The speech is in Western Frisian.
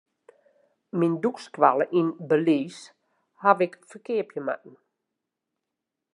Myn dûkskoalle yn Belize haw ik ferkeapje moatten.